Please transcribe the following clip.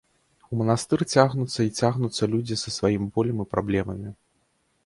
У манастыр цягнуцца й цягнуцца людзі са сваім болем і праблемамі.